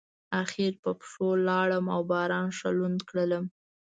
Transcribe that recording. اخر په پښو لاړم او باران ښه لوند کړلم.